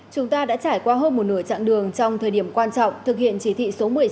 chúng ta đã trải qua hơn một nửa chặng đường trong thời điểm quan trọng thực hiện chỉ thị số một mươi sáu